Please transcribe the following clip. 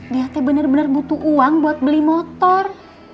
lihatnya bener bener butuh uang buat beli motor